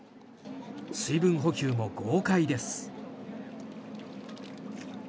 水分補給も豪快です。